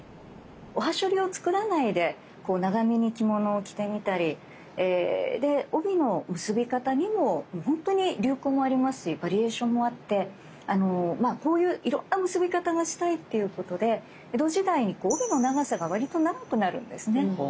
おはしょりを作らないで長めに着物を着てみたり帯の結び方にもほんとに流行もありますしバリエーションもあってこういういろんな結び方がしたいっていうことで江戸時代に帯の長さがわりと長くなるんですね。